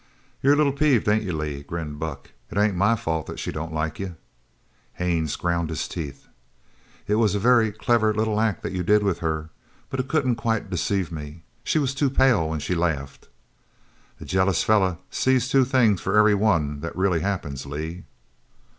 "You're a little peeved, ain't you Lee?" grinned Buck. "It ain't my fault that she don't like you." Haines ground his teeth. "It was a very clever little act that you did with her, but it couldn't quite deceive me. She was too pale when she laughed." "A jealous feller sees two things for every one that really happens, Lee."